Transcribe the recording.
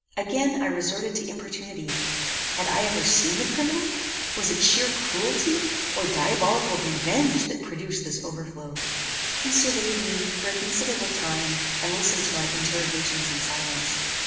Again I resorted to importunity. Had I ever seen the criminal? Was it sheer cruelty, or diabolical revenge that produced this overthrow? He surveyed me, for a considerable time, and listened to my interrogations in silence.